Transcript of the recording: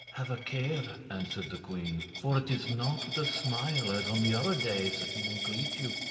'Have a care,' answered the queen, 'for it is not with a smile as on the other days that he will greet you.